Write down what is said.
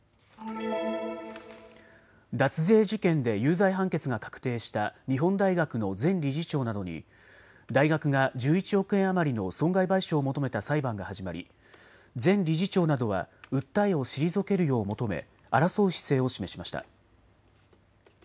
脱税事件で有罪判決が確定した日本大学の前理事長などに大学が１１億円余りの損害賠償を求めた裁判が始まり前理事長などは訴えを退けるよう求め、争う姿勢を示しました。